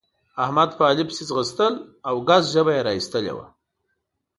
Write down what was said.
احمد په علي پسې ځغستل او ګز ژبه يې را اېستلې وه.